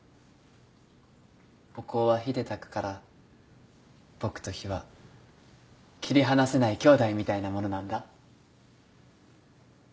お香は火でたくから僕と火は切り離せないきょうだいみたいなものなんだ。